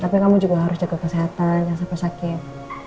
tapi kamu juga harus jaga kesehatan jangan sampai sakit